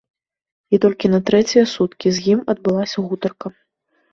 І толькі на трэція суткі з ім адбылася гутарка.